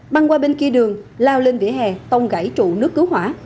băng qua bên kia đường lao lên vỉa hè tông gãy trụ nước cứu hỏa